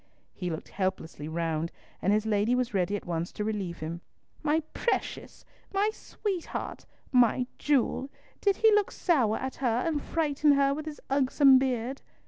He looked helplessly round, and his lady was ready at once to relieve him. "My precious! My sweetheart! My jewel! Did he look sour at her and frighten her with his ugsome beard?"